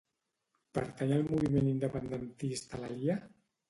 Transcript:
Pertany al moviment independentista la Lia?